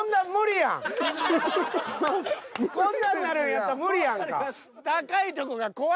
こんなんなるんやったら無理やんか。